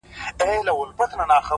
د حقیقت مینه حکمت زېږوي